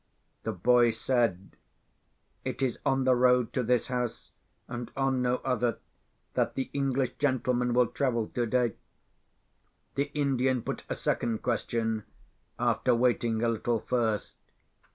The boy said, "It is on the road to this house, and on no other, that the English gentleman will travel today." The Indian put a second question—after waiting a little first.